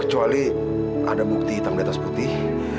kecuali ada bukti hitam di atas putih